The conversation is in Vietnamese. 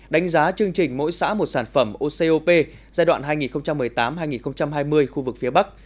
đánh giá chương trình mỗi xã một sản phẩm ocop giai đoạn hai nghìn một mươi tám hai nghìn hai mươi khu vực phía bắc